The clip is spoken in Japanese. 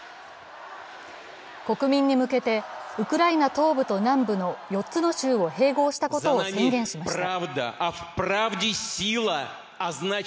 国民に向けて、ウクライナ東部と南部の４つの州を併合したことを宣言しました。